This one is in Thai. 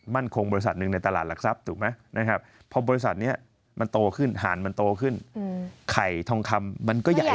มั่นคงบริษัทหนึ่งในตลาดหลักทรัพย์ถูกไหมนะครับ